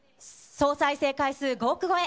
総再生回数５億超え。